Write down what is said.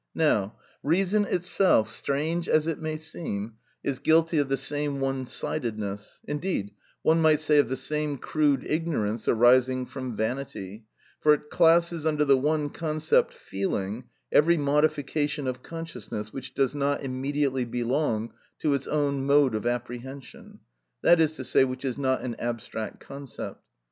Now, reason itself, strange as it may seem, is guilty of the same one sidedness, indeed one might say of the same crude ignorance arising from vanity, for it classes under the one concept, "feeling," every modification of consciousness which does not immediately belong to its own mode of apprehension, that is to say, which is not an abstract concept.